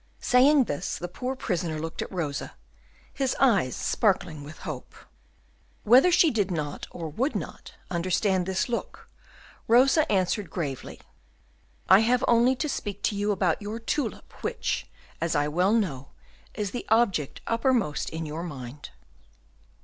Saying this, the poor prisoner looked at Rosa, his eyes sparkling with hope. Whether she did not, or would not, understand this look, Rosa answered gravely, "I have only to speak to you about your tulip, which, as I well know, is the object uppermost in your mind."